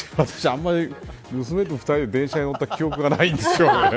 あんまり娘と２人で電車に乗った記憶がないんですよね。